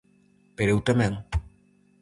Pero eu tamén!